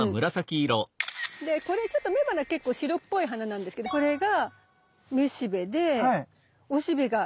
でこれちょっと雌花結構白っぽい花なんですけどこれがめしべでおしべが無い。